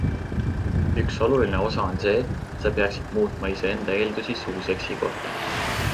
Üks oluline osa on see, et sa peaksid muutma iseenda eeldusi suuseksi kohta.